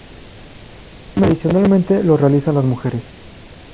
Tradicionalmente lo realizan las mujeres.